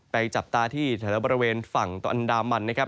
ไปจับตาที่แถวบริเวณฝั่งอันดามบรรณนะครับ